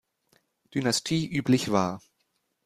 Dynastie üblich war.